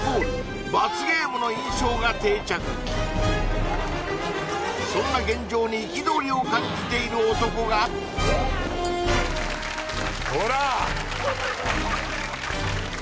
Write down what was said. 罰ゲームの印象が定着そんな現状に憤りを感じている男がほら！